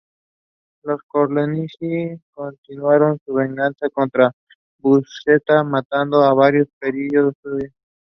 Bread and work!